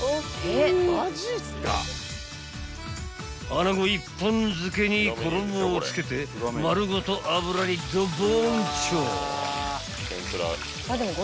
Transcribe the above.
［穴子一本付けに衣をつけて丸ごと油にドボンチョ］